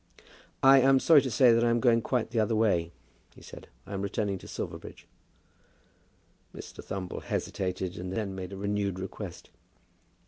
"I'm sorry to say that I am going quite the other way," he said. "I am returning to Silverbridge." Mr. Thumble hesitated, and then made a renewed request.